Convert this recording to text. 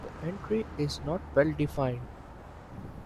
The entry is not well defined.